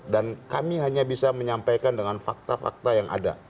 dan kami hanya bisa menyampaikan dengan fakta fakta yang ada